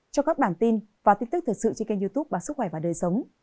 cho các bản tin và tin tức thực sự trên kênh youtube bản sức khỏe và đời sống